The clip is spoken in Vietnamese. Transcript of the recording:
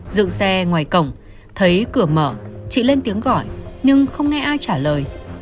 dựng xe ngoài cổng thấy cửa mở chị lên tiếng gọi nhưng không nghe ai trả lời